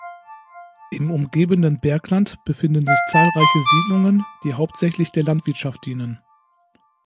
Im umgebenden Bergland befinden sich zahlreiche Siedlungen, die hauptsächlich der Landwirtschaft dienen.